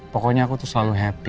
pokoknya aku tuh selalu happy